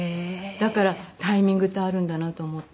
だからタイミングってあるんだなと思って。